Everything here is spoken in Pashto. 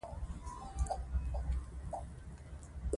یوازې اراده وکړئ.